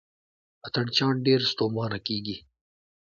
اتڼ چیان ډېر ستومانه کیږي.